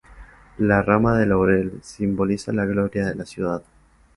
La rama de laurel simboliza la gloria de la ciudad.